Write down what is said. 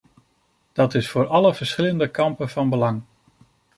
Dat is voor alle verschillende kampen van belang.